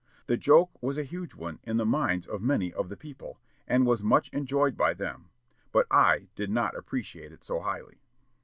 The joke was a huge one in the minds of many of the people, and was much enjoyed by them; but I did not appreciate it so highly."